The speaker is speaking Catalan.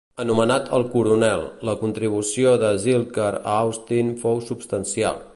Anomenat "el Coronel", la contribució de Zilker a Austin fou substancial.